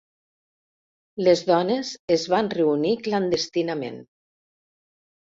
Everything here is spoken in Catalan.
Les dones es van reunir clandestinament.